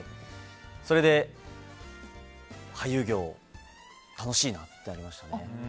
それで俳優業、楽しいなってなりましたね。